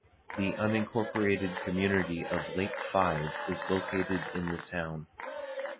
The unincorporated community of Lake Five is located in the town.